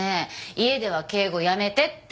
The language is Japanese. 家では敬語やめてって。